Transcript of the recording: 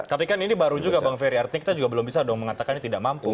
tapi kan ini baru juga bang ferry artinya kita juga belum bisa dong mengatakan ini tidak mampu